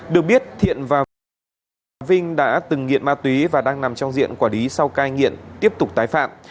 được biết thiện và vinh đã từng nghiện ma túy và đang nằm trong diện quản lý sau cai nghiện tiếp tục tái phạm